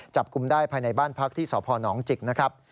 จับกลุ่มได้ภายในบ้านพักที่สพนจิกนะครับ